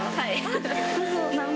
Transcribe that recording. はい。